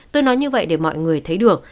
tôi nói như vậy để mọi người thấy được